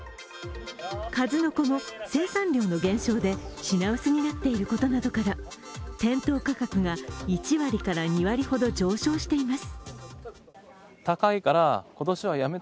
数の子も生産量の減少で品薄になっていることから店頭価格が１割から２割ほど上昇しています。